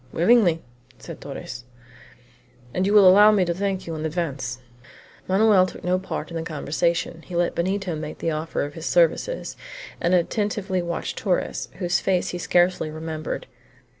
"Willingly," said Torres; "and you will allow me to thank you in advance." Manoel took no part in the conversation; he let Benito make the offer of his services, and attentively watched Torres, whose face he scarcely remembered.